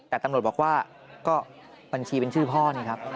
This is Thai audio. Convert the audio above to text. แต่ตำรวจบอกว่าก็บัญชีเป็นชื่อพ่อนี่ครับ